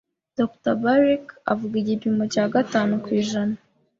Dr Berkley avuga igipimo cya gatanu kw’ijana